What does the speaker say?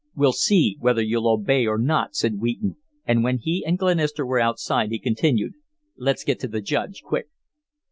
"We'll see whether you'll obey or not," said Wheaton and when he and Glenister were outside he continued: "Let's get to the Judge quick."